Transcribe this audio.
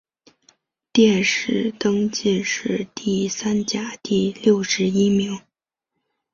殿试登进士第三甲第六十一名。